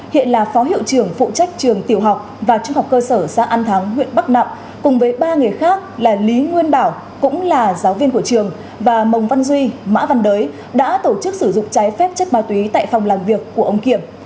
hiện là phó hiệu trưởng phụ trách trường tiểu học và trung học cơ sở xã an thắng huyện bắc nạm cùng với ba người khác là lý nguyên bảo cũng là giáo viên của trường và mồng văn duy mã văn đới đã tổ chức sử dụng trái phép chất ma túy tại phòng làm việc của ông kiểm